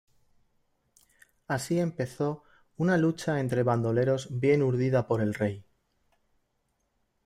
Así empezó una lucha entre bandoleros bien urdida por el Rey.